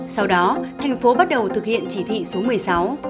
sau đó tp hcm bắt đầu thực hiện chỉ thị số một mươi sáu